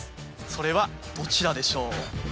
それはどちらでしょう？